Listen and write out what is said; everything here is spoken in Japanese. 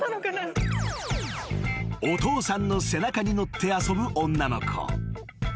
［お父さんの背中に乗って遊ぶ女の子］